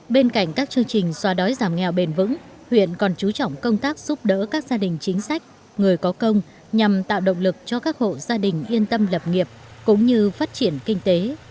bên cạnh các chương trình xóa đói giảm nghèo bền vững huyện còn chú trọng công tác giúp đỡ các gia đình chính sách người có công nhằm tạo động lực cho các hộ gia đình yên tâm lập nghiệp cũng như phát triển kinh tế